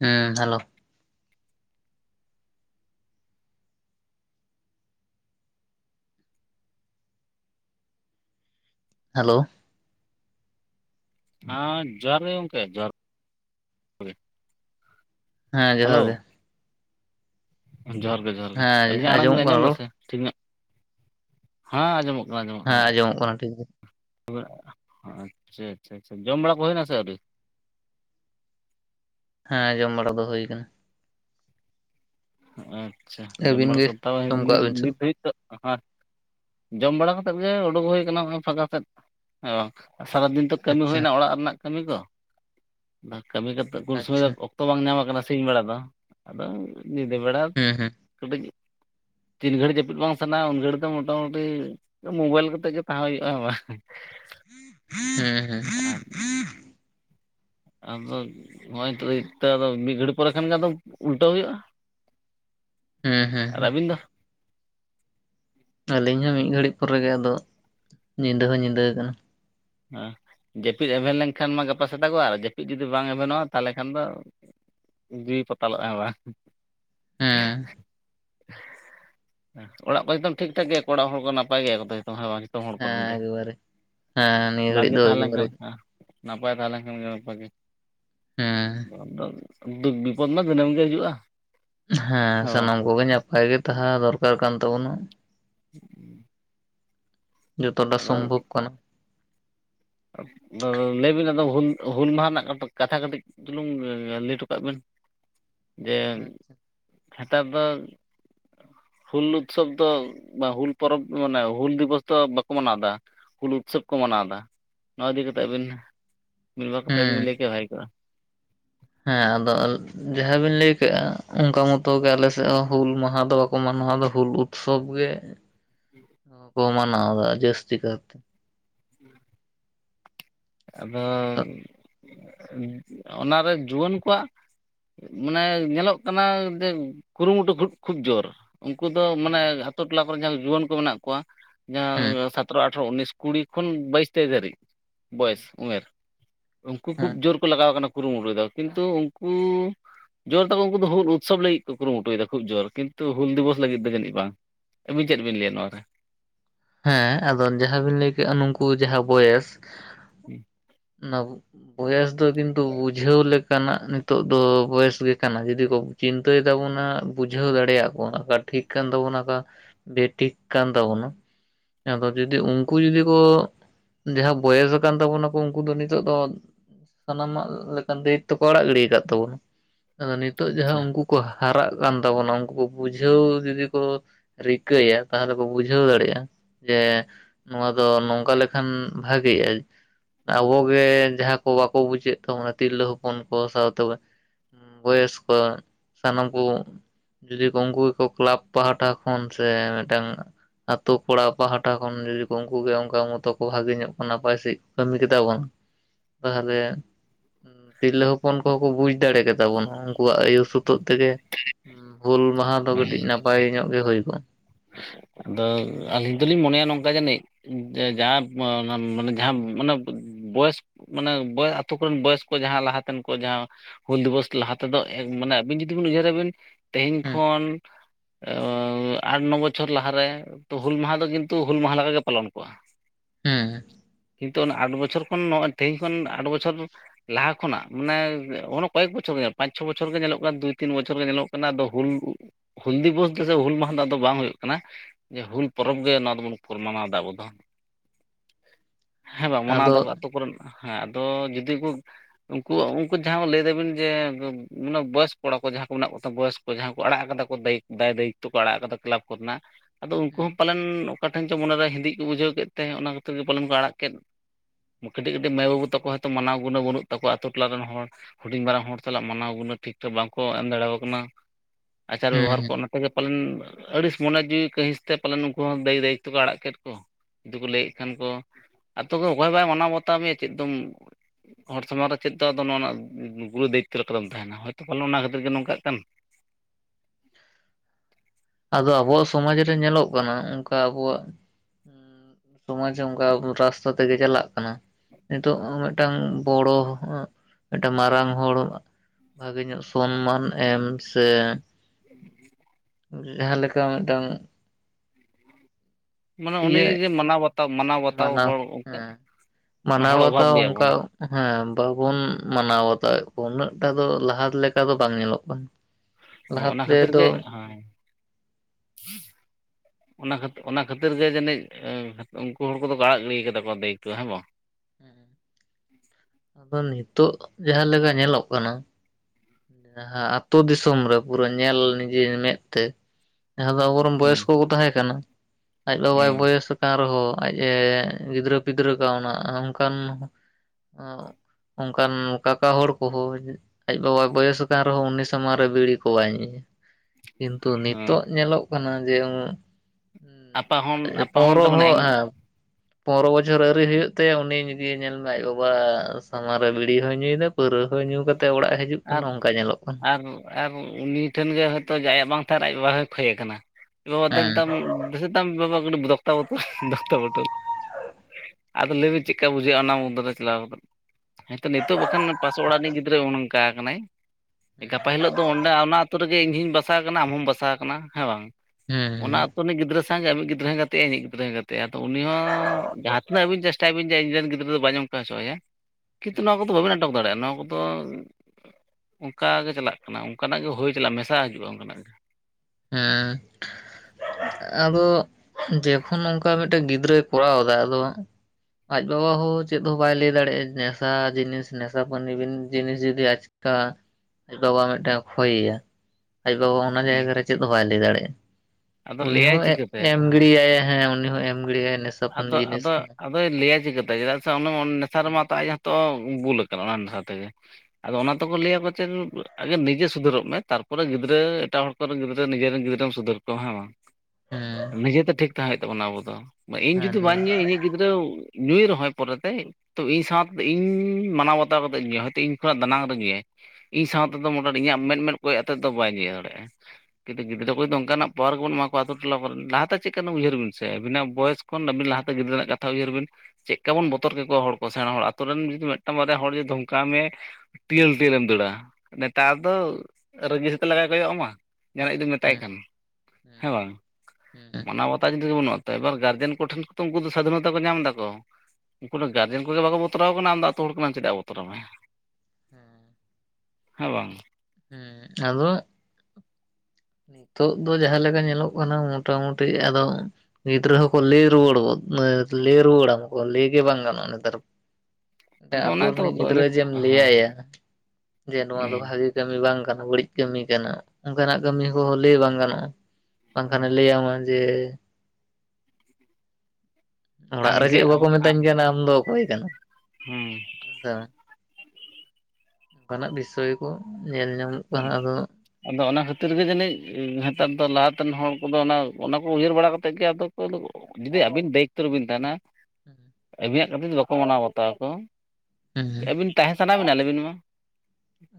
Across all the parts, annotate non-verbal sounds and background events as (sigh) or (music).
ᱦᱩᱸ hello, hello ᱦᱟᱸ ᱡᱚᱦᱟᱨ ᱜᱮ ᱜᱚᱝᱠᱮ ᱡᱚᱦᱟᱨ᱾ ᱦᱮᱸ ᱦᱮᱞᱳ ᱡᱚᱦᱟᱨ ᱜᱮ᱾ ᱡᱚᱦᱟᱨ ᱜᱮ ᱡᱚᱦᱟᱨ ᱜᱮ ᱦᱮᱸ ᱟᱹᱞᱤᱧᱟᱜ ᱟᱲᱟᱝ ᱵᱤᱱ ᱟᱸᱡᱚᱢᱚᱜ ᱠᱟᱱᱟ ᱟᱸᱡᱚᱢ ᱨᱚᱲ ᱫᱟᱥᱮ ᱴᱷᱤᱠ ᱧᱚᱜ, ᱦᱟᱸ ᱟᱸᱡᱚᱢᱚᱜ ᱠᱟᱱᱟ ᱟᱸᱡᱚᱢᱚᱜ ᱦᱮᱸ ᱠᱟᱱᱟ᱾ ᱠᱟᱱᱟ ᱴᱷᱤᱠ ᱜᱮ ᱛᱚᱵᱮ, ᱟᱪᱪᱷᱟ ᱟᱪᱪᱷᱟ ᱟᱪᱪᱷᱟ ᱡᱚᱢ ᱵᱟᱲᱟ ᱠᱚ ᱦᱩᱭᱱᱟ ᱥᱮ ᱟᱹᱣᱨᱤ? ᱦᱮᱸ ᱡᱚᱢ ᱵᱟᱲᱟ ᱫᱚ ᱦᱩᱭ ᱠᱟᱱᱟ᱾ ᱟᱪᱪᱷᱟ ᱡᱚᱢ ᱟᱹᱵᱤᱱ ᱜᱮ ᱵᱟᱲᱟᱠᱚ ᱛᱟᱣ ᱡᱚᱢ ᱠᱟᱜ ᱱᱤᱛ ᱵᱤᱱ ᱥᱮ ᱱᱤᱛ ᱵᱟᱝ? ᱫᱷᱟᱰᱤᱜ ᱛᱚ᱾ ᱦᱟ ᱡᱚᱢ ᱵᱟᱲᱟ ᱠᱟᱛᱮᱫ ᱜᱮ ᱩᱰᱩᱠ ᱦᱩᱭ ᱠᱟᱱᱟ ᱚᱱᱟ ᱯᱷᱟᱸᱠᱟ ᱥᱮᱫ᱾ ᱚ ᱥᱟᱨᱟᱫᱤᱱ ᱛᱚ ᱠᱟᱹᱢᱤ ᱟᱪᱪᱷᱟ ᱦᱩᱭᱱᱟ ᱚᱲᱟᱜ ᱨᱮᱱᱟᱜ ᱠᱟᱹᱢᱤ ᱠᱚ, ᱟᱫᱚ ᱠᱟᱹᱢᱤ ᱠᱟᱛᱮ ᱩᱱ ᱥᱩᱚᱢᱚᱭ ᱫᱚ ᱟᱪᱪᱷᱟ ᱚᱠᱛᱚ ᱵᱟᱝ ᱧᱟᱢ ᱟᱠᱟᱱᱟ ᱥᱤᱧ ᱵᱮᱲᱟ ᱫᱚ ᱟᱫᱚ, ᱧᱤᱫᱟᱹ ᱵᱮᱲᱟ ᱦᱩᱸ ᱦᱩᱸ ᱠᱟᱹᱴᱤᱡ ᱛᱤᱱ ᱜᱷᱟᱹᱲᱤᱡ ᱡᱟᱹᱯᱤᱫ ᱵᱟᱝ ᱥᱟᱱᱟᱭᱟ ᱩᱱ ᱜᱷᱟᱹᱲᱤᱡ ᱫᱚ ᱢᱚᱴᱟᱢᱩᱴᱤ ᱢᱳᱵᱟᱭᱤᱞ ᱠᱟᱛᱮᱜ ᱜᱮ ᱛᱟᱦᱮᱸ ᱦᱩᱭᱩᱜᱼᱟ ᱦᱮᱸ ᱵᱟᱝ? ᱦᱮᱸ ᱦᱮᱸ᱾ ᱟᱫᱚ ᱦᱚᱸᱜᱼᱚᱭ ᱱᱤᱛᱚᱜ ᱫᱚ ᱢᱤᱫ ᱜᱷᱟᱹᱲᱤᱡ ᱯᱚᱨᱮ ᱠᱷᱟᱱ ᱜᱮ ᱟᱫᱚ ᱩᱞᱴᱟᱹᱣ ᱦᱩᱭᱩᱜᱼᱟ᱾ (inaudible) ᱦᱮᱸ ᱦᱮᱸ ᱟᱨ ᱦᱮᱸ᱾ ᱟᱹᱵᱤᱱ ᱫᱚ ᱟᱹᱞᱤᱧ ᱦᱚᱸ ᱢᱤᱫ ᱜᱷᱟᱹᱲᱤᱡ ᱯᱚᱨᱮ ᱜᱮ ᱟᱫᱚ ᱧᱤᱫᱟᱹ ᱦᱚᱸ ᱧᱤᱫᱟᱹ ᱠᱟᱱᱟ, ᱦᱮᱜ ᱡᱟᱹᱯᱤᱫ ᱮᱵᱷᱮᱱ ᱞᱮᱱᱠᱷᱟᱱ ᱢᱟ ᱜᱟᱯᱟ ᱥᱮᱛᱟᱜᱚᱜᱼᱟ ᱟᱨ ᱡᱟᱹᱯᱤᱫ ᱡᱩᱫᱤ ᱵᱟᱝ ᱮᱵᱷᱮᱱᱚᱜᱼᱟ ᱛᱟᱦᱚᱞᱮ ᱠᱷᱟᱱ ᱫᱚ ᱡᱤᱣᱤ ᱯᱟᱛᱟᱞᱚᱜᱼᱟ ᱦᱮᱸ ᱵᱟᱝ? ᱦᱮᱸ ᱚᱲᱟᱜ ᱠᱚ ᱡᱷᱚᱛᱚᱢ ᱴᱷᱤᱠ ᱴᱷᱟᱠ ᱜᱮᱭᱟ ᱠᱚ ᱚᱲᱟᱜ ᱦᱚᱲ ᱠᱚ ᱱᱟᱯᱟᱭ ᱜᱮᱭᱟᱠᱚᱛᱚ ᱡᱷᱚᱛᱚ ᱦᱮᱸ ᱵᱟᱝ? ᱦᱚᱲ ᱠᱚᱨᱮᱱ ᱜᱮ ᱦᱮᱸ ᱮᱠᱵᱟᱨᱮ ᱦᱮᱸ ᱦᱮᱸ ᱱᱤᱭᱟᱹ ᱜᱷᱟᱹᱲᱤᱡ ᱵᱷᱟᱜᱮ ᱫᱚ ᱛᱟᱦᱮᱸ ᱞᱮᱱᱠᱷᱟᱱ ᱮᱠᱮᱵᱟᱨᱮ ᱦᱮᱸ ᱱᱟᱯᱟᱭ ᱛᱟᱦᱮᱸᱞᱮᱱ ᱠᱷᱟᱱ ᱜᱮ ᱱᱟᱯᱟᱭ ᱜᱮ ᱦᱮᱸ ᱫᱩᱠ ᱵᱤᱯᱚᱫ ᱢᱟ ᱫᱤᱱᱟᱹᱢ ᱜᱮ ᱦᱤᱡᱩᱜᱼᱟ᱾ ᱦᱮᱸ ᱥᱟᱱᱟᱢ ᱠᱚᱜᱮ ᱱᱟᱯᱟᱭᱜᱮ ᱛᱟᱦᱮᱸ ᱫᱚᱨᱠᱟᱨ ᱠᱟᱱ ᱛᱟᱵᱚᱱᱟ᱾ ᱦᱩᱸ᱾ ᱡᱚᱛᱚᱴᱟ ᱥᱚᱢᱵᱷᱚᱵ ᱠᱟᱱᱟ᱾ ᱟᱫᱚ ᱞᱟᱹᱭᱵᱤᱱ ᱟᱫᱚ ᱦᱩᱞ ᱦᱩᱞ ᱢᱟᱦᱟ ᱨᱮᱱᱟᱜ ᱠᱟᱛᱷᱟ ᱠᱟᱹᱴᱤᱡ᱾ ᱪᱩᱞᱩᱝ ᱞᱟᱹᱭ ᱦᱟᱴᱚ ᱠᱟᱜ ᱵᱤᱱ ᱡᱮ ᱦᱮᱸᱛᱟᱨ ᱫᱚ ᱦᱩᱞ ᱩᱛᱥᱚᱵ ᱫᱚ ᱵᱟᱝ ᱦᱩᱞ ᱯᱚᱨᱚᱵ ᱢᱟᱱᱮ ᱦᱩᱞ ᱫᱤᱵᱚᱥ ᱫᱚ ᱵᱟᱠᱚ ᱢᱟᱱᱟᱣ ᱫᱟ, ᱦᱩᱞ ᱩᱛᱥᱚᱵ ᱠᱚ ᱢᱟᱱᱟᱣᱫᱟ, ᱱᱚᱣᱟ ᱤᱫᱤ ᱠᱟᱛᱮᱫ ᱟᱹᱵᱤᱱ ᱢᱤᱫ ᱵᱟᱨ ᱠᱟᱛᱷᱟ ᱡᱫᱤᱵᱤᱱ ᱦᱩᱸ ᱞᱟᱹᱭ ᱠᱮᱭᱟ ᱵᱷᱟᱜᱮ ᱠᱚᱜᱼᱟ᱾ ᱦᱮᱸ ᱟᱫᱚ ᱡᱟᱦᱟᱸ ᱵᱤᱱ ᱞᱟᱹᱭᱠᱮᱜᱼᱟ ᱚᱝᱠᱟ ᱢᱚᱛᱚ ᱜᱮ ᱟᱞᱮᱥᱮᱜ ᱦᱚᱸ ᱦᱩᱞ ᱢᱟᱦᱟ ᱫᱚ ᱵᱟᱠᱚ ᱢᱟᱱᱣ ᱫᱟ ᱦᱩᱞ ᱩᱛ ᱥᱚᱵ ᱜᱮ ᱱᱚᱣᱟ ᱠᱚ ᱢᱟᱱᱟᱣᱫᱟ ᱡᱟᱹᱥᱛᱤ ᱠᱟᱨᱛᱮ᱾ (inaudible) ᱟᱫᱚ ᱱᱤᱛᱚᱜ ᱚᱱᱟ ᱨᱮ ᱡᱩᱣᱟᱹᱱ ᱠᱚᱣᱟᱜ ᱢᱟᱱᱮ ᱧᱮᱞᱚᱜ ᱠᱟᱱᱟ ᱡᱮ ᱠᱩᱨᱩᱢᱩᱴᱩ ᱠᱷᱩᱫ ᱠᱷᱩᱵ ᱡᱳᱨ᱾ ᱩᱝᱠᱩ ᱫᱚ ᱢᱟᱱᱮ ᱦᱩᱸ ᱟᱛᱳ ᱴᱚᱞᱟ ᱠᱚᱨᱮ ᱜᱮ ᱡᱟᱦᱟᱸ ᱡᱩᱣᱟᱹᱱ ᱠᱚ ᱢᱮᱱᱟᱜ ᱠᱚᱣᱟ, ᱡᱟᱦᱟᱸ ᱦᱩᱸ ᱥᱟᱛᱚᱨᱚ ᱟᱴ ᱴᱷᱚᱨᱚ, ᱩᱱᱤᱥ, ᱠᱩᱲᱤ ᱠᱷᱚᱱ ᱵᱟᱭᱤᱥ, ᱛᱮᱭᱤᱥ ᱫᱷᱟᱹᱨᱤᱡ ᱵᱚᱭᱮᱥ ᱩᱢᱮᱨ ᱩᱱᱠᱩ ᱠᱷᱩᱵ ᱦᱩᱸ ᱡᱳᱨ ᱠᱚ ᱞᱟᱜᱟᱣ ᱠᱟᱱᱟ ᱠᱩᱨᱩᱢᱩᱴᱩᱭ ᱫᱟ, ᱠᱤᱱᱛᱩ ᱩᱝᱠᱩ ᱡᱳᱨ ᱫᱟᱠᱚ ᱩᱱᱠᱩ ᱫᱚ ᱦᱩᱞ ᱩᱛᱥᱚᱵ ᱞᱟᱹᱜᱤᱫ ᱠᱚ ᱠᱩᱨᱩᱢᱩᱴᱩᱭ ᱫᱟ ᱠᱷᱩᱵ ᱡᱳᱨ ᱠᱤᱱᱛᱩ ᱦᱩᱞ ᱫᱤᱣᱚᱥ ᱞᱟᱹᱜᱤᱫ ᱫᱚ ᱡᱟᱹᱱᱤᱡ ᱵᱟᱝ᱾ ᱟᱹᱵᱤᱱ ᱪᱮᱫ ᱵᱤᱱ ᱞᱟᱹᱭᱟ ᱱᱚᱣᱟ ᱨᱮ? ᱦᱮᱸ ᱟᱫᱚ ᱡᱟᱦᱟᱸᱵᱤᱱ ᱞᱟᱹᱭ ᱠᱮᱜ-ᱟ ᱱᱩᱝᱠᱩ ᱡᱟᱦᱟᱸ ᱵᱚᱭᱮᱥ ᱦᱩᱸ᱾ ᱚᱱᱟ ᱵᱚᱭᱮᱥ ᱫᱚ ᱠᱤᱱᱛᱩ ᱵᱩᱡᱷᱟᱹᱣ ᱞᱟᱹᱠ ᱠᱟᱱᱟᱜ ᱱᱤᱛᱚᱜ ᱫᱚ ᱵᱚᱭᱮᱥ ᱜᱮ ᱠᱟᱱᱟ ᱡᱩᱫᱤ ᱠᱚ ᱪᱤᱱᱛᱟᱹᱭ ᱛᱟᱵᱚᱱᱟ ᱵᱩᱡᱷᱟᱹᱣ ᱫᱟᱲᱮᱭᱟᱜ ᱠᱚ ᱚᱠᱟ ᱴᱷᱤᱠ ᱠᱟᱱ ᱛᱟᱵᱚᱱᱟ ᱚᱱᱟ ᱠᱚ ᱵᱮ ᱴᱷᱤᱠ ᱠᱟᱱ ᱛᱟᱵᱚᱱᱟ ᱟᱫᱚ ᱡᱩᱫᱤ ᱩᱝᱠᱩ ᱡᱩᱫᱤ ᱠᱚ ᱡᱟᱦᱟᱸ ᱵᱚᱭᱮᱥ ᱠᱟᱱ ᱛᱟᱵᱚᱱᱟ ᱠᱚ ᱩᱱᱠᱩ ᱫᱚ ᱱᱤᱛᱚᱜ ᱫᱚ ᱥᱟᱱᱟ ᱢᱟᱜ ᱞᱮᱠᱟᱱ ᱫᱟᱹᱭᱤᱛᱛᱚ ᱠᱚ ᱟᱲᱟᱜ ᱜᱤᱲᱤ ᱠᱟᱜ ᱛᱟᱵᱚᱱᱟ, ᱟᱫᱚ ᱱᱤᱛᱚᱜ ᱡᱟᱦᱟᱸ ᱟᱪᱪᱷᱟ ᱩᱝᱠᱩ ᱠᱚ ᱦᱟᱨᱟᱜ ᱠᱟᱱ ᱛᱟᱵᱚᱱᱟ, ᱩᱝᱠᱩ ᱠᱚ ᱵᱩᱡᱷᱟᱹᱣ ᱡᱩᱫᱤ ᱠᱚ ᱨᱤᱠᱟᱹᱭᱟ ᱛᱟᱦᱚᱞᱮ ᱠᱚ ᱵᱩᱡᱷᱟᱹᱣ ᱫᱟᱲᱮᱭᱟᱜᱼᱟ, ᱡᱮ ᱱᱚᱣᱟ ᱫᱚ ᱱᱚᱝᱠᱟ ᱞᱮ ᱠᱷᱟᱱ ᱵᱷᱟᱜᱮᱜᱼᱟ᱾ ᱟᱵᱚ ᱜᱮ ᱡᱟᱦᱟᱸ ᱠᱚ ᱵᱟᱠᱚ ᱵᱩᱪᱮᱜ ᱛᱟᱵᱚᱱᱟ ᱛᱤᱨᱞᱟᱹ ᱦᱚᱯᱚᱱ ᱠᱚ ᱥᱟᱶ ᱛᱚᱵᱮ ᱵᱚᱭᱮᱥ ᱠᱚ ᱥᱟᱱᱟᱢ ᱠᱩ ᱡᱩᱫᱤ ᱠᱚ ᱩᱝᱠᱩ ᱜᱮᱠᱚ ᱠᱮᱞᱟᱵ ᱯᱟᱦᱟᱴᱟ ᱠᱷᱚᱱ ᱥᱮ ᱢᱤᱫᱴᱟᱝ ᱟᱛᱳ ᱯᱟᱲᱟ ᱯᱟᱦᱴᱟ ᱠᱷᱚᱱ ᱡᱩᱫᱤ ᱠᱚ ᱩᱸᱠᱩ ᱜᱮ ᱚᱸᱠᱟ ᱢᱚᱛᱚ ᱠᱚ ᱵᱷᱟᱹᱜᱤ ᱧᱚᱜ ᱠᱚ ᱱᱟᱯᱟᱭ ᱥᱟᱺᱦᱤᱡ ᱠᱟᱹᱢᱤ ᱠᱮᱫᱟ ᱵᱚᱱ, ᱵᱟᱦᱨᱮ (unintelligible) ᱛᱤᱨᱞᱟᱹ ᱦᱚᱯᱚᱱ ᱠᱚᱦᱚ ᱠᱚ ᱵᱩᱡᱽ ᱫᱟᱲᱮ ᱠᱮᱫᱟ ᱵᱚᱱ ᱩᱱᱠᱩᱣᱟᱜ ᱤᱭᱟᱹ ᱥᱩᱛᱩᱜ ᱛᱮᱜᱮ, ᱦᱩᱸ ᱦᱩᱞ ᱢᱟᱦᱟᱸ ᱫᱚ ᱦᱮᱸ ᱠᱟᱹᱴᱤᱡ ᱱᱟᱯᱟᱭ ᱧᱚᱜ ᱜᱮ ᱦᱩᱭ ᱠᱚᱜ-ᱟ᱾ ᱟᱫᱚ ᱟᱹᱞᱤᱧ ᱫᱩᱞᱤᱧ ᱢᱚᱱᱮᱭᱟ ᱱᱚᱝᱠᱟ ᱡᱟᱱᱤᱡ, ᱼᱼ ᱩᱸ ᱡᱮ ᱡᱟᱦᱟᱸᱵ ᱚᱱᱟ ᱢᱟᱱᱮ ᱡᱟᱦᱟᱸᱵ ᱚᱱᱟᱻᱵᱻᱵᱚ ᱵᱚᱭᱮᱥ, ᱢᱟᱱᱮ ᱵᱚᱭ ᱟᱹᱛᱩ ᱠᱚᱨᱮᱱ ᱵᱚᱭᱮᱥ ᱠᱚ ᱡᱟᱦᱟᱸ ᱞᱟᱦᱟ ᱛᱮᱱ ᱠᱚ ᱡᱟᱦᱟᱸᱼᱼ ᱦᱩᱞ ᱫᱤᱵᱚᱥ ᱞᱟᱦᱟ ᱛᱮᱫᱚ ᱮᱠ ᱢᱟᱱᱮ ᱟᱹᱵᱤᱱ ᱡᱩᱫᱤ ᱵᱤᱱ ᱩᱭᱦᱟᱹᱨ ᱟᱹᱵᱤᱱᱼᱼ ᱛᱮᱦᱮᱧ ᱦᱮᱸ ᱠᱷᱚᱱ ᱚᱸᱻ ᱟᱴ ᱱᱚ ᱵᱚᱪᱷᱚᱨᱼᱼ ᱞᱟᱦᱟ ᱨᱮ ᱛᱚ ᱦᱩᱞ ᱢᱟᱦᱟᱸ ᱫᱚ ᱠᱤᱱᱛᱩ ᱦᱩᱞ ᱢᱟᱦᱟᱸ ᱞᱮᱠᱟ ᱜᱮ ᱯᱟᱞᱚᱱ ᱠᱚᱜ-ᱟ᱾ ᱦᱮᱸ (inaudible) ᱠᱤᱸᱛᱩ ᱚᱱᱟ ᱟᱴ ᱵᱚᱪᱷᱚᱨ ᱠᱷᱚᱱ ᱱᱚᱜ-ᱚ ᱛᱮᱦᱮᱧ ᱠᱷᱚᱱ ᱟᱴ ᱵᱚᱪᱷᱚᱨᱼᱼ ᱞᱟᱦᱟ ᱠᱷᱚᱱᱟᱜ ᱢᱟᱱᱮᱻ‌ ᱚᱱᱚ ᱠᱚ ᱮᱠ ᱵᱚᱪᱷᱚᱨ ᱜᱮ ᱦᱩᱭᱩᱜ, ᱯᱟᱸᱪ ᱪᱷᱚ ᱵᱚᱪᱷᱚᱨ ᱜᱮ ᱧᱮᱞᱚᱜ ᱠᱟᱱᱟ ᱫᱩᱭ ᱛᱤᱱ ᱵᱚᱪᱷᱚᱨ ᱜᱮ ᱧᱮᱞᱚᱜᱼᱼ ᱚᱱᱟ ᱫᱚ ᱦᱩᱞ, ᱦᱩᱞ ᱫᱤᱵᱚᱥ ᱫᱚ ᱥᱮ ᱦᱩᱞ ᱢᱟᱦᱟᱸ ᱫᱚ ᱟᱫᱚ ᱵᱟᱝ ᱦᱩᱭᱩᱜ ᱠᱟᱱᱟ, ᱡᱮ ᱦᱩᱞ ᱯᱚᱨᱚᱵᱽ ᱜᱮ ᱱᱚᱣᱟ ᱫᱚᱵᱚᱱ ᱯᱚᱨᱢᱟᱱᱟ ᱫᱟ ᱟᱵᱚ ᱫᱚ᱾ ᱦᱮᱸ ᱵᱟᱝ ᱢᱟᱱᱟᱣ ᱮᱫᱟ ᱠᱚ ᱟᱛᱩ ᱠᱚᱨᱮᱱ ᱦᱮᱸ ᱟᱫᱚ ᱡᱩᱫᱤ ᱠᱩᱼᱼ ᱩᱱᱠᱩ ᱩᱸᱠᱩ ᱡᱟᱦᱟᱸ ᱠᱚ ᱞᱟᱹᱭ ᱮᱫᱟᱹᱵᱤᱱ ᱡᱮ ᱜᱮᱵᱽ ᱚᱱᱟ ᱵᱚᱭᱮᱥ ᱠᱚᱲᱟ ᱠᱚ ᱡᱟᱦᱟᱸ ᱠᱚ ᱢᱮᱱᱟᱜ ᱠᱚ ᱛᱟᱵᱚᱣᱟ ᱵᱚᱭᱮᱥᱼᱼ ᱠᱚ ᱡᱟᱦᱟᱸ ᱠᱚ ᱟᱲᱟᱜ ᱟᱠᱟ ᱫᱟᱠᱚ ᱫᱟᱹᱭᱤᱠ ᱫᱟᱭ ᱫᱟᱹᱭᱤᱠ ᱛᱚᱠᱚ ᱟᱲᱟᱜ ᱟᱠᱟᱫᱟ ᱠᱮᱞᱟᱵᱽ ᱠᱚᱨᱮᱱᱟᱜ, ᱟᱫᱚ ᱩᱸᱠᱩ ᱦᱚᱸ ᱯᱟᱞᱮᱱᱼᱼ ᱚᱠᱟ ᱴᱷᱮᱸᱱ ᱪᱚᱝ ᱢᱚᱱᱮ ᱨᱮ ᱦᱤᱸᱫᱤᱡ ᱠᱚ ᱵᱩᱡᱷᱟᱹᱣ ᱠᱮᱫ ᱛᱮ ᱚᱱᱟ ᱠᱷᱟᱹᱛᱤᱨ ᱜᱮ ᱯᱟᱞᱮᱱ ᱠᱚ ᱟᱲᱟᱜ ᱠᱮᱫ, ᱢᱩᱸ ᱠᱟᱹᱴᱤᱡ ᱠᱟᱹᱴᱤᱡ ᱢᱟᱹᱭ ᱵᱟᱹᱵᱩ ᱛᱟᱠᱚ ᱦᱚᱭᱛᱚ ᱢᱟᱱᱟᱣ ᱜᱩᱱᱟᱹᱣ ᱵᱟᱹᱱᱩᱜ ᱛᱟᱠᱚᱣᱟ ᱟᱛᱩ ᱴᱚᱞᱟ ᱨᱮᱱ ᱦᱚᱲ, ᱦᱩᱰᱤᱧ ᱢᱟᱨᱟᱝ ᱦᱚᱲ ᱥᱟᱞᱟᱜ ᱢᱟᱱᱟᱣ ᱜᱩᱱᱟᱹᱣ ᱴᱷᱤᱠ ᱴᱷᱟᱠ ᱵᱟᱝ ᱠᱚ ᱮᱢ ᱫᱟᱲᱮᱣᱟᱠᱚ ᱠᱟᱱᱟ᱾ ᱟᱪᱟᱨ ᱵᱮᱵᱽᱚ ᱦᱩᱸ ᱦᱟᱨ ᱠᱚ ᱦᱩᱸ ᱱᱚᱛᱮ ᱜᱮ ᱯᱟᱞᱮᱱ ᱟᱹᱲᱤᱥ, ᱢᱚᱱᱮ ᱡᱤᱣᱤ ᱠᱟᱺᱦᱤᱥ ᱛᱮ ᱯᱟᱞᱮᱱ ᱱᱩᱠᱩ ᱦᱚᱸ ᱫᱟᱹᱭ ᱫᱟᱹᱭᱤᱛᱚ ᱠᱚ ᱟᱲᱟᱜ ᱠᱮᱫ ᱠᱚ᱾ ᱡᱩᱫᱤ ᱠᱚ ᱞᱟᱹᱭᱮᱜ ᱠᱷᱟᱱ ᱠᱚ ᱟᱛᱚ ᱠᱚ ᱚᱠᱚᱭ ᱵᱟᱭ ᱢᱟᱱᱟᱣ ᱵᱟᱛᱟᱣ ᱢᱮᱭᱟ ᱪᱮᱫ ᱫᱚᱢᱼᱼ ᱦᱚᱲ ᱥᱟᱢᱟᱝ ᱨᱮ ᱪᱮᱫ ᱛᱚ ᱟᱫᱚ ᱱᱚᱣᱟ ᱱᱟᱜ ᱩᱸ ᱩᱸ ᱯᱩᱨᱟᱹ ᱫᱟᱹᱭᱤᱛᱚ ᱞᱮᱠᱟ ᱫᱚᱢ ᱛᱟᱦᱮᱸᱱᱟ ᱦᱚᱭᱛᱚ ᱚᱱᱟ ᱠᱷᱟᱹᱛᱤᱨ ᱜᱮ ᱯᱟᱞᱮ ᱱᱚᱝᱠᱟᱜ ᱠᱟᱱ᱾ ᱟᱫᱚ ᱟᱵᱚᱣᱟᱜ ᱥᱚᱢᱟᱡᱽ ᱨᱮ ᱧᱮᱞᱚᱜ ᱠᱟᱱᱟ ᱚᱸᱠᱟ ᱟᱵᱚᱣᱟᱜᱼᱼ ᱥᱚᱢᱟᱡᱽ ᱚᱸᱠᱟᱻᱵ ᱨᱟᱥᱛᱟ ᱛᱮᱜᱮ ᱪᱟᱞᱟᱜ ᱠᱟᱱᱟ᱾ ᱱᱮᱛᱚᱜ ᱚᱸ ᱢᱮᱫᱴᱟᱝ ᱵᱚᱲᱚ ᱦᱚᱸᱻᱜ ᱢᱮᱫᱴᱟᱝ ᱢᱟᱨᱟᱝ ᱦᱚᱲᱚ ᱟᱸᱜ ᱼᱼ ᱵᱷᱟᱜᱮ ᱧᱚᱜ ᱥᱚᱱᱢᱟᱱ ᱮᱢ, ᱥᱮᱼᱼ (inaudible) ᱡᱮ ᱡᱟᱦᱟᱸ ᱞᱮᱠᱟ ᱢᱮᱫᱴᱟᱝᱼᱼ ᱢᱟᱱᱮ ᱩᱱᱤ ᱤᱭᱟᱹᱜ ᱡᱮ ᱢᱟᱱᱟᱣ ᱵᱟᱛᱟᱣ ᱵᱟᱛᱟᱣ ᱢᱟᱱᱟᱣ ᱦᱚᱲ ᱚᱱᱠᱟ ᱦᱮᱸ, ᱢᱟᱱᱟᱣ ᱦᱚᱲ ᱚᱵᱷᱟᱵᱽ ᱵᱟᱛᱟᱣ ᱚᱸᱠᱟ ᱜᱮᱭᱟᱵᱚᱱ ᱚ- ᱦᱮᱸ ᱵᱟᱵᱚᱱ ᱢᱟᱱᱟᱣ ᱵᱟᱛᱟᱣᱮᱫ ᱠᱚ ᱩᱱᱟᱹᱜ ᱴᱟᱜ ᱫᱚ ᱞᱟᱦᱟ ᱞᱮᱠᱟ ᱫᱚ ᱵᱟᱝ ᱧᱮᱞᱚᱜ ᱠᱟᱱᱟ᱾ ᱦᱚᱸ ᱞᱟᱦᱟ ᱚᱱᱟ ᱠᱷᱟᱹᱛᱤᱨ ᱜᱮᱜ ᱛᱮᱫᱚ ᱦᱮᱸ, (inaudible) ᱚᱱᱟ ᱠᱷᱟᱹᱛ ᱚᱱᱟ ᱠᱷᱟᱹᱛᱤᱨ ᱜᱮ ᱡᱟᱹᱱᱤᱡ ᱮᱸ ᱦᱟᱯᱮ ᱩᱸᱠᱩ ᱦᱚᱲ ᱠᱚᱫᱚ ᱠᱚ ᱟᱲᱟᱜ ᱜᱤᱲᱤ ᱟᱠᱟᱫᱟ ᱠᱚ ᱫᱟᱹᱭᱤᱛᱚ ᱦᱮᱸᱵᱚᱝ, ᱟᱫᱚ ᱱᱤᱛᱚᱜ ᱡᱟᱦᱟᱸ ᱞᱮᱠᱟ ᱧᱮᱞᱚᱜ ᱠᱟᱱᱟ, ᱡᱟᱦᱟᱸ ᱟᱛᱩ ᱫᱤᱥᱚᱢ ᱨᱮ ᱯᱩᱨᱟᱹ ᱧᱮᱞ ᱱᱤᱡᱮᱧ ᱢᱮᱫ ᱛᱮ ᱡᱟᱦᱟᱸ ᱫᱚ ᱟᱵᱚ ᱠᱚᱢ ᱦᱩᱸ ᱵᱚᱭᱚᱥ ᱠᱚᱠᱚ ᱛᱟᱦᱮᱸ ᱠᱟᱱᱟ, ᱟᱡ ᱵᱟᱵᱟᱭ ᱦᱩᱸ ᱵᱚᱭᱚᱥ ᱠᱟᱱ ᱨᱮᱦᱚᱸ ᱟᱡ ᱮ ᱜᱤᱫᱽᱨᱟᱹᱼ ᱯᱤᱫᱽᱨᱟᱹ ᱠᱚᱣᱟ ᱚᱱᱟ ᱚᱸᱠᱟᱱ ᱦᱚᱸ ᱦᱚᱸᱼᱜ ᱚᱝᱠᱟᱱ ᱠᱟᱠᱟ ᱦᱚᱲ ᱠᱚᱦᱚ, ᱡᱮ ᱟᱡ ᱵᱟᱵᱟᱭ ᱵᱚᱭᱚᱥ ᱟᱠᱟᱱ ᱨᱮᱦᱚᱸ ᱩᱱᱤ ᱥᱟᱢᱟᱝ ᱨᱮ ᱵᱤᱲᱤ ᱠᱚ ᱵᱟᱭ ᱧᱩ ᱭᱟ ᱠᱤᱸᱛᱩ ᱦᱩᱸ ᱱᱤᱛᱚᱜ ᱧᱮᱞᱚᱜ ᱠᱟᱱᱟ ᱡᱮ ᱩᱸᱢᱩᱜ, ᱩᱸ ᱟᱯᱟᱦᱚᱱ ᱮᱸ ᱟᱯᱟᱦᱚᱱ ᱯᱚᱸᱨᱚ ᱫᱚ ᱢᱟᱱᱮ ᱦᱚᱸ ᱦᱮᱸ ᱯᱚᱸᱫᱽᱨᱚ ᱵᱚᱪᱷᱚᱨ ᱟᱹᱣᱨᱤ ᱦᱩᱭᱩᱜ ᱛᱟᱭᱟ ᱩᱱᱤ ᱤᱫᱤᱭᱮ ᱧᱮᱞ ᱢᱮ ᱟᱡ ᱵᱟᱵᱟ ᱟᱻ ᱥᱟᱢᱟᱝ ᱨᱮ ᱵᱤᱲᱤ ᱦᱚᱸᱭ ᱧᱩᱭ ᱮᱫᱟ, ᱯᱟᱹᱣᱨᱟᱹ ᱦᱚᱭ ᱧᱩ ᱠᱟᱛᱮ ᱚᱲᱟᱜ ᱮ ᱦᱟᱡᱩᱜ ᱠᱟᱱᱟ, ᱚᱝᱠᱟ ᱧᱮᱞᱚᱜ ᱠᱟᱱᱟ᱾ ᱟᱨᱦᱚᱸ ᱟᱨ ᱩᱱᱤ ᱴᱷᱮᱸᱱ ᱜᱮ ᱦᱚᱭᱛᱳᱡ ᱟᱭᱟᱜ ᱵᱟᱝ ᱴᱷᱟᱨ ᱟᱡ ᱵᱟᱵᱟ ᱦᱚᱸᱭ ᱠᱷᱚᱭ ᱟᱠᱟᱱᱟ, ᱟᱡ ᱵᱟᱵᱟ ᱫᱮᱱ ᱦᱮᱸ ᱛᱟᱢ ᱫᱮᱥᱮ ᱛᱟᱢ ᱵᱟᱵᱟ ᱠᱟᱹᱴᱤᱵ ᱫᱚᱠᱛᱟ ᱵᱚᱛᱚᱞ ᱫᱚᱠᱛᱟ ᱯᱚᱴᱳᱞ᱾ ᱟᱫᱚ ᱞᱟᱹᱭᱢᱮ ᱪᱮᱜᱠᱟ ᱵᱩᱡᱷᱟᱹᱜᱼᱟ ᱚᱱᱟ ᱢᱩᱫᱽᱨᱮ ᱪᱟᱞᱟᱣ ᱠᱟᱛᱮᱜ ᱦᱮᱸᱛᱚ ᱱᱤᱛᱚᱜ ᱵᱟᱠᱷᱟᱱ ᱯᱟᱥ ᱚᱲᱟᱜ ᱨᱤᱱᱤᱡ ᱜᱤᱫᱽᱨᱟᱹᱭ ᱚᱱ ᱚᱝᱠᱟ ᱠᱟᱱᱟᱭ ᱜᱟᱯᱟ ᱦᱤᱞᱳᱜ ᱫᱚ ᱚᱸᱰᱮ ᱚᱱᱟ ᱟᱛᱳ ᱨᱮᱜᱮ ᱤᱧᱦᱚᱧ ᱵᱟᱥᱟᱣ ᱠᱟᱱᱟ ᱟᱢ ᱦᱚᱢ ᱵᱟᱥᱟᱣ ᱠᱟᱱᱟ ᱦᱮᱸ ᱵᱟᱝ ᱚᱱᱟ ᱦᱮᱸ ᱩᱱᱤ ᱜᱤᱫᱨᱟᱹ ᱥᱟᱶᱜᱮ ᱟᱹᱢᱤᱡ ᱜᱤᱫᱽᱨᱟᱹ ᱦᱚᱸᱭ ᱜᱟᱛᱮᱜᱼᱟ ᱤᱧᱤᱡ ᱜᱤᱫᱽᱨᱟᱹ ᱦᱚᱸᱭ ᱜᱟᱛᱮᱜᱼᱟ ᱟᱫᱚ ᱩᱱᱤ ᱦᱚᱸ ᱡᱟᱦᱟᱸᱛᱤᱱᱟᱹᱜ ᱟᱹᱵᱤᱱ ᱪᱮᱥ ᱴᱟᱭᱵᱤᱱ ᱡᱮ ᱤᱧᱨᱮᱱ ᱜᱤᱫᱽᱨᱟᱹ ᱫᱚ ᱵᱟᱧ ᱚᱝᱠᱟ ᱦᱚᱪᱚᱣᱟᱭᱟ ᱠᱤᱱᱛᱩ ᱦᱮᱸ ᱱᱚᱣᱟ ᱠᱚᱫᱚ ᱵᱟᱵᱮᱱ ᱟᱴᱚᱠ ᱫᱟᱲᱮᱭᱟᱜᱼᱟ ᱱᱚᱣᱟ ᱠᱚᱫᱚ ᱚᱝᱠᱟ ᱜᱮ ᱪᱟᱞᱟᱜ ᱠᱟᱱᱟ ᱚᱝᱠᱟᱱᱟᱜ ᱜᱮ ᱦᱳᱭ ᱪᱟᱞᱟᱜᱼᱟ ᱢᱮᱥᱟ ᱦᱤᱡᱩᱜᱼᱟ ᱚᱝᱠᱟᱱᱟᱜ ᱜᱮ ᱦᱮᱸ ᱟᱫᱚ ᱡᱮᱠᱷᱚᱱ ᱚᱝᱠᱟ ᱢᱤᱫᱴᱮᱜ ᱜᱤᱫᱽᱨᱟᱹᱭ ᱠᱚᱨᱟᱣ ᱫᱟᱭ ᱟᱫᱚ ᱟᱡ ᱵᱟᱵᱟ ᱦᱚᱸ ᱪᱮᱫ ᱦᱚᱸ ᱵᱟᱭ ᱞᱟᱹᱭ ᱫᱟᱲᱮᱭᱟᱜᱼᱟ ᱱᱮᱥᱟ ᱡᱤᱱᱤᱥ ᱱᱮᱥᱟᱯᱟᱹᱱᱤ ᱵᱤᱱ ᱡᱤᱱᱤᱥ ᱡᱩᱫᱤ ᱟᱡ ᱠᱟ ᱟᱡ ᱵᱟᱵᱟ ᱢᱮᱫᱴᱟᱝ ᱠᱷᱚᱭᱮᱭᱟ ᱟᱡ ᱵᱟᱵᱟ ᱦᱚᱸ ᱚᱱᱟ ᱦᱩᱸ ᱡᱟᱭᱜᱟ ᱨᱮ ᱪᱮᱫ ᱦᱚᱸ ᱵᱟᱭ ᱞᱟᱹᱭ ᱫᱟᱲᱮᱭᱟᱜᱼᱟ ᱟᱫᱚ ᱩᱱᱤ ᱞᱟᱹᱭᱟᱭ ᱦᱚᱸ ᱮᱸᱜ ᱪᱤᱠᱟᱹᱛᱮ ᱦᱮᱸ ᱮᱢ ᱜᱤᱲᱤᱭᱟᱭᱟᱭ ᱦᱮᱸ ᱩᱱᱤ ᱦᱚᱸ ᱮᱢ ᱜᱤᱲᱤᱭᱟᱭ ᱱᱮᱥᱟ ᱟᱫᱚ ᱟᱫᱚ ᱟᱫ ᱟᱫᱚᱭ ᱞᱟᱹᱭᱟᱭ ᱪᱤᱠᱟᱹᱛᱮ ᱪᱮᱫᱟᱜ ᱥᱮ ᱚᱱᱟ ᱩᱱ ᱱᱮᱥᱟᱨᱮᱢᱟ ᱛᱚ ᱟᱡ ᱦᱚᱛᱚ ᱵᱩᱞ ᱠᱟᱱᱟ ᱚᱱᱟ ᱱᱮᱥᱟ ᱛᱮᱜᱮ ᱟᱫᱚ ᱚᱱᱟ ᱛᱮᱠᱚ ᱞᱟᱹᱭᱟᱠᱚ ᱪᱮᱫ ᱟᱜᱮ ᱱᱤᱡᱮ ᱥᱩᱫᱷᱟᱹᱨᱚᱜ ᱢᱮ ᱛᱟᱨᱯᱚᱨᱮ ᱜᱤᱫᱽᱨᱟᱹ ᱮᱴᱟᱜ ᱦᱚᱲ ᱟᱠᱚᱨᱮᱱ ᱜᱤᱫᱽᱨᱟᱹ ᱱᱤᱡᱮᱨ ᱨᱮᱱ ᱜᱤᱫᱽᱨᱟᱹᱢ ᱥᱩᱫᱷᱟᱹᱨ ᱠᱚᱣᱟ ᱦᱮᱸ ᱵᱟᱝ ᱦᱮᱸ ᱱᱤᱡᱮᱛᱮ ᱴᱷᱤᱠ ᱛᱟᱦᱮᱸ ᱦᱩᱭᱩᱜ ᱛᱟᱵᱚᱱᱟ ᱟᱵᱚ ᱫᱚ ᱤᱧ ᱦᱮᱸ ᱡᱩᱫᱤ ᱱᱤᱡ ᱵᱟᱧ ᱧᱩᱩᱭ ᱤᱧᱤᱡ ᱜᱤᱫᱽᱨᱟᱹ ᱛᱟᱹᱣ ᱧᱩᱭ ᱨᱮᱦᱚᱭ ᱯᱚᱨᱮᱛᱮ ᱛᱚ ᱤᱧ ᱥᱟᱶᱛᱮ ᱤᱧ ᱢᱟᱱᱟᱣ ᱵᱟᱛᱟᱣ ᱠᱟᱛᱮᱜ ᱧᱩᱭᱟᱭ ᱦᱚᱭᱛᱚ ᱤᱧ ᱠᱷᱚᱱᱟᱜ ᱫᱟᱱᱟᱝ ᱨᱮ ᱧᱩᱭᱟᱭ ᱤᱧ ᱥᱟᱶᱛᱮᱫᱚ ᱢᱚᱴᱢᱩᱴᱤ ᱤᱧᱟᱹᱜ ᱢᱮᱫ ᱢᱮᱫ ᱠᱚᱭᱚᱜ ᱟᱛᱮᱜ ᱫᱚ ᱵᱟᱹᱭ ᱧᱩᱭᱟ ᱫᱟᱲᱮᱭᱟᱜᱼᱟ ᱠᱤᱱᱛᱩ ᱜᱤᱫᱽᱨᱟᱹ ᱠᱚᱡᱫᱚ ᱚᱝᱠᱟᱱᱟᱜ ᱯᱟᱣᱟᱨ ᱜᱮᱵᱚᱱ ᱮᱢᱟᱠᱚᱣᱟ ᱟᱛᱳ ᱴᱚᱞᱟ ᱠᱚᱨᱮᱱ ᱞᱟᱦᱟᱛᱮ ᱪᱮᱜ ᱠᱟᱱᱟ ᱩᱭᱦᱟᱹᱨ ᱵᱤᱱ ᱥᱮ ᱟᱹᱵᱤᱱᱟᱜ ᱵᱚᱭᱮᱥ ᱠᱷᱚᱱ ᱟᱵᱤᱱ ᱞᱟᱦᱟᱛᱮ ᱜᱤᱫᱽᱨᱟᱹ ᱨᱮᱱᱟᱜ ᱠᱟᱛᱷᱟ ᱩᱭᱦᱟᱹᱨ ᱵᱤᱱ ᱪᱮᱜᱠᱟ ᱵᱚᱱ ᱦᱮᱸ ᱵᱚᱛᱚᱨ ᱠᱮᱠᱚᱣᱟ ᱦᱚᱲ ᱠᱚ ᱥᱮᱸᱲᱟ ᱦᱚᱲ ᱟᱛᱳ ᱨᱮᱱ ᱡᱩᱫᱤ ᱢᱮᱫᱴᱟᱝ ᱵᱟᱨᱭᱟ ᱦᱚᱲ ᱡᱩᱫᱤ ᱫᱷᱚᱢᱠᱟᱣ ᱢᱮᱭᱟᱭ ᱴᱤᱭᱟᱹᱞ ᱴᱤᱭᱟᱹᱞᱮᱢ ᱫᱟᱹᱲᱟ ᱱᱮᱛᱟᱨ ᱫᱚ ᱨᱟᱹᱜᱤ ᱥᱮᱛᱟ ᱞᱮᱠᱟᱭ ᱠᱚᱭᱚᱜ ᱟᱢᱟ ᱡᱟᱦᱟᱱᱟᱜ ᱡᱩᱫᱤᱢ ᱢᱮᱛᱟᱭ ᱦᱮᱸ ᱠᱷᱟᱱ ᱦᱮᱸ ᱵᱟᱝ ᱦᱮᱸ ᱢᱟᱱᱟᱣ ᱵᱟᱛᱟᱣ ᱡᱤᱱᱤᱥ ᱵᱟᱹᱱᱩᱜ ᱟᱛᱚ ᱮᱵᱟᱨ ᱜᱟᱨ ᱜᱟᱨᱡᱮᱱ ᱠᱚᱴᱷᱮᱱ ᱦᱚᱸ ᱛᱚ ᱩᱝᱠᱩ ᱫᱚ ᱥᱟᱫᱷᱤᱱᱚᱛᱟ ᱠᱚ ᱧᱟᱢ ᱫᱟᱠᱚ ᱩᱝᱠᱩ ᱨᱮᱱ ᱜᱟᱨᱡᱮᱱ ᱠᱚᱜᱮ ᱵᱟᱠᱚ ᱵᱚᱛᱚᱨᱟᱠᱚ ᱠᱟᱱᱟ ᱟᱢ ᱫᱚ ᱟᱛᱳ ᱦᱚᱲ ᱠᱟᱱᱟᱢ ᱪᱮᱫᱟᱜᱼᱮ ᱵᱚᱛᱚᱨᱟᱢᱟ ᱦᱮᱸ ᱦᱮᱸ ᱵᱟᱝ ᱦᱮᱸ ᱟᱫᱚ ᱱᱤᱛᱚᱜ ᱫᱚ ᱡᱟᱦᱟᱸᱞᱮᱠᱟ ᱧᱮᱞᱚᱜ ᱠᱟᱱᱟ ᱢᱚᱴᱟᱢᱩᱴᱤ ᱟᱫᱚ ᱜᱤᱫᱽᱨᱟᱹ ᱦᱚᱸ ᱠᱚ ᱞᱟᱸᱭᱮᱴ ᱨᱩᱣᱟᱹᱲ ᱜᱚᱫ ᱮᱸ ᱞᱟᱹᱭ ᱨᱩᱣᱟᱹᱲᱟ ᱠᱚ ᱞᱟᱹᱭ ᱜᱮ ᱵᱟᱝ ᱜᱟᱱᱚᱜᱼᱟ ᱱᱤᱛᱟᱨ (inaudible) ᱥᱮ ᱟᱛᱳ ᱛᱚ ᱨᱤᱱᱤᱡ ᱜᱤᱫᱽᱨᱟᱹ ᱱᱤᱛ ᱡᱮᱢ ᱦᱚᱸ ᱞᱟᱹᱭᱟᱭᱟ ᱡᱮ ᱱᱚᱣᱟ ᱦᱩᱸ ᱫᱚ ᱵᱷᱟᱜᱮ ᱠᱟᱹᱢᱤ ᱵᱟᱝ ᱠᱟᱱᱟ ᱵᱟᱹᱲᱤᱡ ᱠᱟᱹᱢᱤ ᱠᱟᱱᱟ ᱚᱝᱠᱟᱱᱟᱜ ᱠᱟᱹᱢᱤ ᱦᱚᱸ ᱞᱟᱹᱭ ᱵᱟᱝ ᱜᱟᱱᱚᱜᱼᱟ ᱦᱩᱸ ᱵᱟᱝᱠᱷᱟᱱᱮ ᱞᱟᱹᱭ ᱟᱢᱟ ᱡᱮ- ᱚᱲᱟᱜ ᱨᱮ ᱪᱮᱫ ᱟᱢᱜᱮ ᱦᱚᱸ ᱟᱢ ᱵᱟᱠᱚ ᱢᱮᱛᱟᱹᱧ ᱠᱟᱱᱟ ᱟᱢ ᱫᱚ ᱚᱠᱚᱭ ᱠᱟᱱᱟᱢ ᱦᱩᱸ ᱦᱮᱸ। ᱱᱚᱝᱠᱟᱱᱟᱜ ᱵᱤᱥᱚᱭ ᱠᱚ ᱧᱮᱞ ᱧᱟᱢᱚᱜ ᱠᱟᱱᱟ ᱟᱫᱚ ᱦᱮᱸ ᱟᱫᱚ ᱚᱱᱟ ᱠᱷᱟᱹᱛᱤᱨ ᱜᱮ ᱡᱟᱹᱱᱤᱡ ᱱᱮᱛᱟᱨ ᱫᱚ ᱞᱟᱦᱟᱛᱮᱱ ᱦᱚᱲ ᱠᱚᱫᱚ ᱚᱱᱟ ᱚᱱᱟᱠᱚ ᱩᱭᱦᱟᱹᱨ ᱵᱟᱲᱟ ᱠᱟᱛᱮᱫ ᱜᱮ ᱟᱫᱚ ᱠᱚ ᱡᱩᱫᱤ ᱟᱵᱤᱱ ᱫᱟᱭᱤᱛᱛᱚ ᱨᱮᱵᱤᱱ ᱛᱟᱦᱮᱱᱟ- ᱦᱮᱸ ᱟᱹᱵᱤᱱᱟᱜ ᱠᱷᱟᱛᱤᱨ ᱫᱚ ᱵᱟᱠᱚ ᱢᱟᱱᱟᱣ ᱵᱟᱛᱟᱣ ᱟᱠᱚ ᱦᱩᱸ ᱟᱹᱵᱤᱱ ᱛᱟᱦᱮᱸ ᱥᱟᱱᱟ ᱵᱟᱱᱟ ᱞᱮᱭ ᱵᱤᱱ ᱢᱟ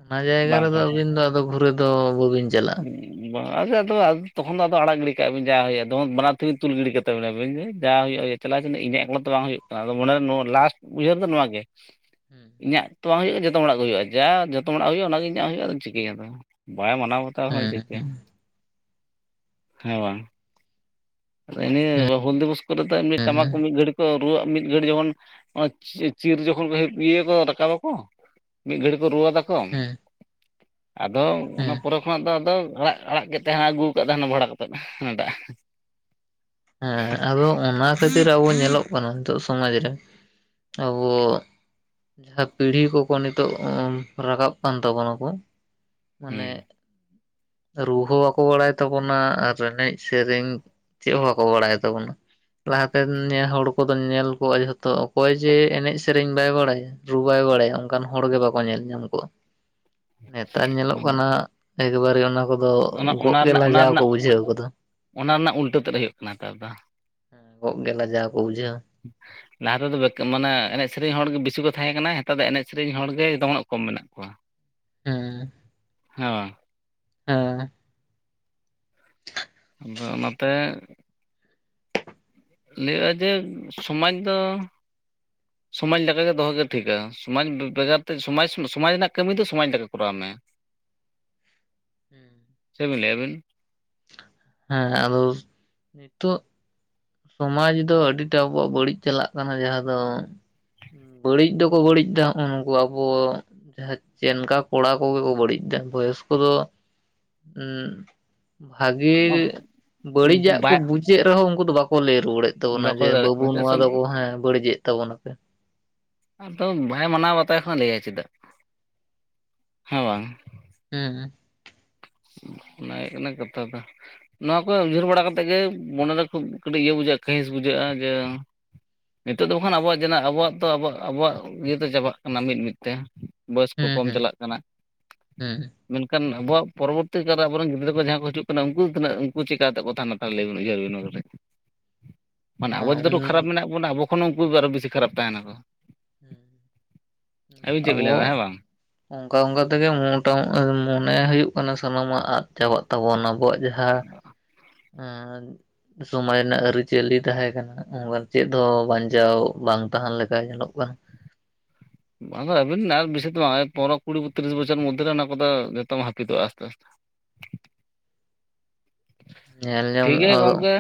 ᱚᱱᱟ ᱡᱟᱭᱜᱟ ᱵᱟᱝ ᱨᱮᱫᱚ ᱛᱟᱦᱮᱸ ᱟᱹᱵᱤᱱ ᱫᱚ ᱟᱫᱚ ᱜᱷᱩᱨᱮ ᱫᱚ ᱵᱟᱹᱵᱤᱱ ᱪᱟᱞᱟᱜᱼᱟ ᱟᱪ ᱟᱫᱚ ᱛᱚᱠᱷᱚᱱ ᱫᱚ ᱟᱫᱚ ᱟᱲᱟᱜ ᱜᱤᱰᱤ ᱠᱟᱜᱼᱟ ᱡᱟᱭ ᱦᱩᱭᱩᱜᱼᱟ ᱵᱟᱱᱟᱨ ᱛᱮᱵᱤᱱ ᱛᱩᱞ ᱜᱤᱰᱤ ᱠᱟᱛᱟ ᱵᱮᱤᱱᱟᱵᱤᱱ ᱡᱟ ᱦᱩᱭᱩᱜᱼᱟ- ᱪᱟᱞᱟᱜᱣ ᱤᱧᱟᱹᱜ ᱮᱠᱞᱚ ᱫᱚ ᱵᱟᱝ ᱦᱩᱭᱩᱜ ᱠᱟᱱᱟ ᱟ ᱢᱚᱱᱮ ᱱᱚᱣᱟ ᱞᱟᱥᱴ ᱩᱭᱦᱟᱹᱨ ᱫᱚ ᱱᱚᱣᱟᱣᱟᱜ ᱜᱮ ᱤᱧᱟᱹᱜ ᱛᱚ ᱵᱟᱝ ᱦᱩᱭᱩᱜᱼᱟ ᱡᱚᱛᱚ ᱦᱚᱲᱟᱜ ᱜᱮ ᱦᱩᱭᱩᱜᱼᱟ ᱡᱟ ᱡᱚᱛᱚ ᱦᱚᱲᱲᱟᱜ ᱦᱩᱭᱩᱜᱼᱟ ᱚᱱᱟᱜᱮᱧ᱾ ᱧᱚᱜ ᱦᱩᱭᱩᱜᱼᱟ ᱪᱤᱠᱟᱹᱭᱟᱫᱚ ᱵᱟᱭ ᱢᱟᱱᱟᱣ ᱵᱟᱛᱟᱣ ᱦᱮᱸ ᱠᱟᱱᱟ ᱦᱮᱸ ᱪᱤᱠᱟᱹᱭᱟ ᱦᱮᱸ ᱵᱟᱝ ᱦᱮᱸ ᱟᱱᱤᱭᱟᱹ ᱦᱩᱞ ᱫᱤᱵᱚᱥ ᱠᱚᱨᱮ ᱫᱚ ᱢᱤᱫ ᱦᱮᱸ ᱴᱟᱢᱟᱠ ᱠᱚ ᱢᱤᱫ ᱜᱷᱟᱹᱲᱤᱡ ᱠᱚ- ᱨᱩᱣᱟᱹᱜ ᱢᱤᱫ ᱜᱷᱟᱹᱲᱤᱡ ᱡᱚᱠᱷᱚᱱ ᱚᱱᱟ ᱪᱤᱨ ᱡᱚᱠᱷᱚᱱ ᱠᱚ ᱤᱭᱟᱹᱠᱚ ᱨᱟᱠᱟᱵᱟᱠᱚ᱾ ᱢᱤᱫ ᱜᱷᱟᱹᱲᱤᱡ ᱠᱚ ᱨᱩᱣᱟᱹ ᱫᱟ ᱠᱚ (inaudible) ᱟᱫᱚ ᱚᱱᱟ ᱦᱮᱸ ᱯᱚᱨᱮ ᱠᱷᱚᱱᱟᱜ ᱫᱚ ᱟᱫᱚ ᱟᱲᱟᱜ ᱟᱲᱟᱜ ᱠᱮᱫ ᱛᱮᱱᱟ ᱟᱹᱜᱩ ᱟᱠᱟᱫ ᱛᱟᱦᱮᱱᱟ ᱵᱷᱟᱲᱟ ᱠᱟᱛᱮᱫ ᱫᱟᱜ᱾ ᱦᱮᱸ ᱟᱫᱚ ᱚᱱᱟ ᱠᱷᱟᱹᱛᱤᱨ ᱟᱵᱚ ᱧᱮᱞᱚᱜ ᱠᱟᱱᱟ ᱱᱤᱛᱚᱜ ᱥᱚᱢᱟᱡ ᱨᱮ ᱟᱵᱚ- ᱡᱟᱦᱟᱸ ᱯᱤᱲᱦᱤ ᱠᱚᱠᱚ ᱱᱤᱛᱚᱜ ᱨᱟᱠᱟᱵ ᱠᱟᱱ ᱛᱟᱵᱚᱱᱟ ᱠᱚ ᱦᱩᱸ ᱢᱟᱱᱮ- ᱨᱩ ᱦᱚᱸ ᱵᱟᱠᱚ ᱵᱟᱲᱟᱭ ᱛᱟᱵᱚᱱᱟ ᱮᱱᱮᱡ ᱥᱮᱨᱮᱧ ᱪᱮᱫ ᱦᱚᱸ ᱵᱟᱠᱚ ᱵᱟᱲᱟᱭ ᱛᱟᱵᱚᱱᱟ ᱞᱟᱦᱟᱛᱮ ᱱᱮ ᱦᱚᱲ ᱠᱚᱫᱚ ᱧᱮᱞ ᱠᱚᱜᱼᱟ ᱡᱷᱚᱛᱚ᱾ ᱚᱠᱚᱭ ᱡᱮ ᱮᱱᱮᱡ ᱥᱮᱨᱮᱧ ᱵᱟᱭ ᱵᱟᱲᱟᱭᱟ ᱨᱩ ᱵᱟᱭ ᱵᱟᱲᱟᱭᱟ ᱚᱱᱠᱟᱱ ᱦᱚᱲᱜ ᱵᱟᱠᱚ ᱧᱮᱞ ᱧᱟᱢ ᱠᱚᱜᱣᱟ᱾ ᱱᱮᱛᱟᱨ ᱧᱮᱞᱚᱜ ᱠᱟᱱᱟ ᱮᱠᱵᱟᱨᱮ ᱚᱱᱟ- ᱫᱚ ᱚᱱᱟ ᱜᱚᱜ ᱚᱱᱟ ᱜᱮ ᱨᱮᱱᱟᱜ ᱚᱱᱟ ᱞᱟᱡᱟᱣ ᱠᱚ ᱨᱮᱱᱟᱜ ᱵᱩᱡᱷᱟᱹᱣ ᱠᱟᱫᱟ ᱚᱱᱟ ᱨᱮᱱᱟᱜ ᱩᱞᱴᱟᱹ ᱛᱮᱫ ᱦᱩᱭᱩᱜ ᱠᱟᱱᱟ ᱱᱮᱛᱟᱨ ᱫᱚ ᱜᱚ ᱜᱮ ᱞᱟᱡᱟᱣ ᱠᱚ ᱵᱩᱡᱷᱟᱹᱣᱟ ᱦᱩᱸ ᱞᱟᱦᱟ ᱛᱮᱫᱚ ᱢᱟᱱᱮ ᱮᱱᱮᱡ ᱥᱮᱨᱮᱧ ᱦᱚᱲ ᱜᱮ ᱵᱤᱥᱤ ᱠᱚ ᱛᱟᱦᱮᱸ ᱠᱟᱱᱟ ᱱᱮᱛᱟᱨ ᱫᱚ ᱮᱱᱮᱡ ᱥᱮᱨᱮᱧ ᱦᱚᱲ ᱜᱮ ᱡᱚᱛᱚᱱᱟᱜ ᱠᱚᱢ ᱢᱮᱱᱟᱜ ᱠᱚᱣᱟ᱾ (inaudible) ᱦᱮᱸ ᱦᱮᱸᱵᱟ ᱦᱮᱸ ᱟᱫᱚ ᱚᱱᱟᱛᱮ᱾ ᱞᱟᱹᱭᱟᱹᱜᱼᱟ ᱡᱮ ᱥᱚᱢᱟᱡ ᱫᱚ- ᱥᱚᱢᱟᱡᱽ ᱞᱮ ᱞᱮᱠᱟᱠᱟᱜᱮ ᱫᱚᱦᱚᱜᱮ ᱴᱷᱤᱠᱟ ᱥᱚᱢᱟᱡᱽ ᱵᱮᱜᱟᱨ ᱛᱮ ᱥᱚᱢᱟᱡᱽ ᱥᱚᱢᱟᱡᱽ ᱨᱮᱱᱟᱜ ᱠᱟᱹᱢᱤ ᱫᱚ ᱥᱚᱢᱟᱡᱽ ᱞᱮᱠᱟ ᱠᱚᱨᱟᱣ ᱢᱮᱸ (inaudible) ᱦᱮᱸ ᱪᱮᱫ ᱵᱮᱱ ᱞᱟᱹᱭᱟ ᱟᱵᱮᱱ ᱦᱮᱸ ᱟᱫᱚ ᱱᱤᱛᱚᱜ ᱥᱚᱢᱟᱡ ᱫᱚ ᱟᱹᱰᱤᱴᱟ ᱟᱵᱚᱣᱟᱜ ᱵᱟᱹᱲᱤᱡ ᱪᱟᱞᱟᱜ ᱠᱟᱱᱟ ᱡᱟᱦᱟᱸ ᱫᱚ- ᱵᱟᱹᱲᱤᱡ ᱫᱚᱠᱚ ᱵᱟᱹᱲᱤᱡ ᱫᱫᱟᱜ ᱩᱱᱠᱩ ᱟᱵᱚ- ᱡᱟᱦᱟᱸ ᱪᱮᱱᱠᱟ ᱠᱚᱲᱟ ᱠᱚᱜᱮ ᱠᱚ ᱵᱟᱹᱲᱤᱡᱫ ᱫᱟ ᱵᱚᱭᱚᱥ ᱠᱚᱫᱚ᱾ ᱵᱷᱟᱜᱤ ᱵᱟᱹᱲᱤᱡᱟᱜ ᱠᱚ ᱵᱟᱭ ᱵᱩᱡᱮᱫ ᱨᱮᱦᱚᱸ ᱩᱱᱠᱩ ᱫᱚ ᱵᱟᱠᱚ ᱞᱟᱹᱭ ᱨᱩᱣᱟᱹᱲᱮᱫ- ᱛᱟᱵᱚᱱᱟ ᱵᱟᱠᱚ ᱡᱮ ᱫᱟᱲᱮᱭᱟᱜ ᱵᱟᱹᱵᱩ ᱠᱟᱱᱟ ᱪᱮᱫᱟᱜ ᱱᱚᱣᱟ ᱥᱮ ᱫᱚᱠᱚ ᱦᱮᱸ ᱵᱟᱹᱲᱤᱡᱮᱫ ᱛᱟᱵᱚᱱᱟᱯᱮ᱾ ᱟᱫᱚ ᱵᱟᱭ ᱢᱟᱱᱟᱣ ᱵᱟᱛᱟᱣ ᱠᱷᱟᱡ ᱞᱟᱹᱭᱟ ᱪᱮᱫᱟᱜ ᱦᱮᱸ ᱵᱟᱝ ᱦᱮᱸ ᱚᱱᱟ ᱦᱩᱭᱩᱜ ᱠᱟᱱᱟ ᱠᱟᱛᱷᱟ ᱫᱚ᱾ ᱱᱚᱣᱟ ᱠᱚ ᱩᱭᱦᱟᱹᱨ ᱵᱟᱲᱟ ᱠᱟᱛᱮᱜ ᱜᱮ ᱢᱚᱱᱮ ᱨᱮ ᱠᱷᱩᱵ ᱠᱟᱹᱴᱤᱡ ᱤᱭᱟᱹ ᱵᱩᱡᱷᱟᱹᱜ-ᱟ ᱠᱟᱹᱦᱤᱥ ᱵᱩᱡᱷᱟᱹᱜ-ᱟ ᱡᱮ ᱱᱤᱛᱚᱜ ᱫᱚ ᱵᱟᱠᱷᱟᱱ ᱟᱵᱚᱣᱟᱜ ᱡᱟ ᱵᱚᱣᱟᱜ ᱛᱚ ᱟᱵᱚᱣᱟᱜ ᱤᱭᱟᱹᱛᱮ ᱪᱟᱵᱟᱜ ᱠᱟᱱᱟ ᱢᱤᱫ ᱢᱤᱫ ᱛᱮ ᱵᱟᱭᱚᱥ ᱠᱚ ᱦᱩᱸ ᱠᱚᱢ ᱦᱩᱸ ᱪᱟᱞᱟᱜ ᱠᱟᱱᱟ ᱢᱮᱱᱠᱷᱟᱱ ᱟᱵᱚᱣᱟᱜ᱾ ᱯᱚᱨᱚᱵᱚᱨᱛᱤ ᱠᱟᱞᱨᱮ ᱟᱵᱚᱨ ᱨᱮᱱ ᱜᱤᱫᱽᱨᱟᱹ ᱠᱚ ᱡᱟᱦᱟᱸ ᱠᱚ ᱦᱤᱡᱩᱜ ᱠᱟᱱᱟ ᱩᱱᱠᱩ ᱛᱤᱱᱟᱹᱜ ᱩᱱᱠᱩ ᱪᱤᱠᱟᱛᱮ ᱠᱟᱛᱮ ᱠᱟ ᱛᱟᱦᱮᱱᱟ ᱛᱟᱦᱚᱞᱮ ᱞᱟᱹᱭ ᱩᱭᱦᱟᱹᱨᱤᱱ ᱚᱱᱟ ᱢᱟᱱᱮ ᱟᱵᱚ ᱡᱚᱛᱚᱴᱟ ᱦᱩᱸ ᱠᱷᱟᱨᱟᱯ ᱢᱮᱱᱟᱜ ᱵᱚᱱᱟ ᱟᱵᱚ ᱠᱷᱚᱱ ᱩᱱᱠᱩ ᱫᱚ ᱟᱨᱚ ᱵᱮᱥᱤ ᱠᱷᱟᱨᱟᱯ ᱛᱟᱦᱮᱱᱟ ᱠᱚ ᱦᱮᱸ ᱦᱮᱸ ᱟᱹᱵᱤᱱ ᱪᱮᱫ ᱵᱤᱱ ᱞᱟᱹᱭᱫᱟ ᱟᱵᱚᱭᱟᱜ ᱦᱮᱸ ᱵᱟᱝ ᱚᱱᱠᱟ ᱚᱱᱠᱟ ᱛᱮᱜᱮ ᱢᱚᱴᱟ ᱢᱚᱱᱮ ᱦᱩᱭᱩᱜ ᱠᱟᱱᱟ ᱥᱟᱱᱟᱢᱟᱜ ᱟᱫ ᱪᱟᱵᱟᱜ ᱛᱟᱵᱚᱱ ᱟᱵᱚᱣᱟᱜ ᱡᱟᱦᱟᱸ ᱟ (unintelligible) ᱥᱚᱢᱟᱡ ᱨᱮᱱᱟᱜ ᱟᱹᱨᱤᱪᱟᱹᱞᱤ ᱛᱟᱦᱮᱸ ᱠᱟᱱᱟ ᱚᱱᱠᱟ ᱪᱮᱫ ᱦᱚᱸ ᱵᱟᱧᱪᱟᱣ ᱵᱟᱝ ᱛᱟᱦᱮᱱ ᱞᱮᱠᱟ ᱧᱮᱞᱚᱜ ᱵᱟᱝ ᱵᱟᱝ ᱟᱵᱤᱱ ᱟᱨ ᱵᱮᱥᱤ ᱫᱚ ᱵᱟᱝ ᱯᱚᱱᱮᱨᱚ ᱠᱩᱲᱤ ᱛᱤᱨᱤᱥ ᱵᱚᱪᱷᱚᱨ ᱢᱚᱫᱽᱷᱮᱨᱮ ᱚᱱᱟ ᱠᱚ ᱫᱚ ᱡᱚᱛᱚᱢ ᱦᱟᱹᱯᱤᱫᱚᱜᱼᱟ ᱟᱥᱛᱮᱼᱟᱥᱛᱮ᱾ ᱧᱮᱞ ᱴᱷᱤᱠ ᱧᱟᱢᱚᱜᱼᱟ ᱜᱮᱭᱟ ᱟᱫᱚ ᱜᱚᱝᱠᱮ᱾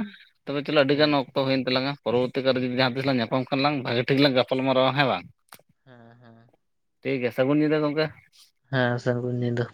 ᱛᱚᱵᱮ ᱪᱚᱞᱚ ᱟᱹᱰᱤ ᱦᱮᱸ ᱜᱟᱱ ᱚᱠᱛᱚ ᱦᱩᱭᱮᱱ ᱛᱞᱟᱝ-ᱟ, ᱯᱚᱨᱵᱚᱨᱛᱤ ᱠᱟᱞ ᱨᱮ ᱡᱩᱤ ᱡᱟᱦᱟᱸ ᱛᱤᱥᱟᱞᱟᱝ ᱧᱟᱯᱟᱢ ᱠᱷᱟᱱᱞᱟᱝ ᱵᱷᱟᱹᱜᱤ ᱴᱷᱤᱠ ᱞᱟᱝ ᱜᱟᱯᱟᱞ ᱢᱟᱨᱟᱣᱟ ᱦᱮᱸ ᱵᱟᱝ᱾ (inaudible) ᱦᱮᱸ ᱦᱮᱸ ᱴᱷᱤᱠ ᱜᱮᱭᱟ ᱥᱟᱹᱜᱩᱱ ᱧᱤᱫᱟᱹ ᱜᱚᱝᱠᱮ ᱾ ᱦᱮᱸ ᱥᱟᱜᱩᱱ ᱧᱤᱫᱟᱹ